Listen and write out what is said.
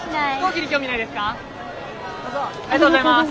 ありがとうございます。